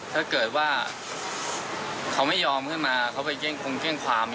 ถ้าเกิดว่าเขาไม่ยอมขึ้นมาเขาไปคงแจ้งความ